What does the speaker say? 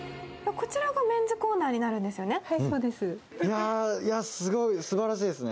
こちらがメンズコーナーになるんですよね。